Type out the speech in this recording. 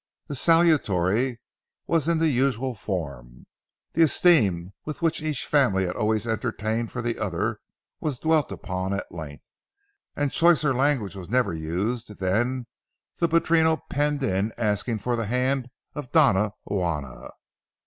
The salutatory was in the usual form; the esteem which each family had always entertained for the other was dwelt upon at length, and choicer language was never used than the padrino penned in asking for the hand of Doña Juana.